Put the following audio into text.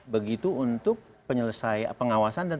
begitu untuk penyelesaian pengawasan dan